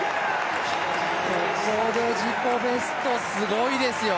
ここで自己ベスト、すごいですよ。